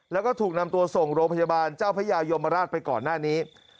แล้วก็ถูกนำตัวส่งโรงพยาบาลเจ้าพระยายมราชไปก่อนหน้านี้